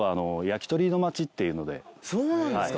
そうなんですか！